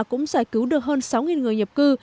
cũng giải cứu được hơn sáu người nhập cư